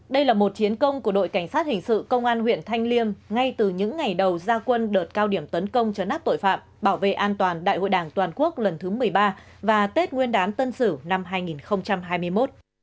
đây là một chiến công của đội cảnh sát hình sự công an huyện thanh liêm ngay từ những ngày đầu gia quân đợt cao điểm tấn công chấn áp tội phạm bảo vệ an toàn đại hội đảng toàn quốc lần thứ một mươi ba và tết nguyên đán tân sử năm hai nghìn hai mươi một